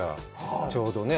ちょうどね。